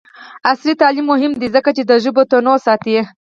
عصري تعلیم مهم دی ځکه چې د ژبو تنوع ساتي.